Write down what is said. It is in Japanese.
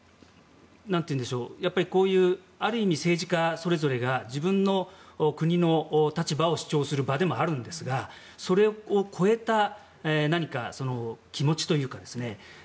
こういうある意味政治家それぞれが自分の国の立場を主張する場でもあるんですがそれを超えた、何か気持ちというかですね。